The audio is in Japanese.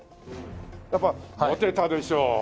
やっぱモテたでしょ？